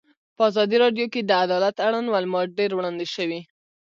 په ازادي راډیو کې د عدالت اړوند معلومات ډېر وړاندې شوي.